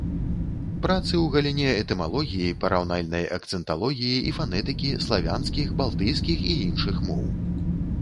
Працы ў галіне этымалогіі, параўнальнай акцэнталогіі і фанетыкі славянскіх, балтыйскіх і іншых моў.